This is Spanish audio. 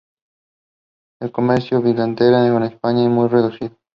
El comercio bilateral con España es muy reducido.